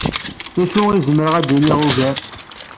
D acu i zemreɣ ad iniɣ ugar?